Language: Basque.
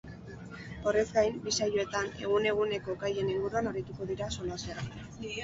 Horrez gain, bi saioetan, egun-eguneko gaien inguruan arituko dira solasean.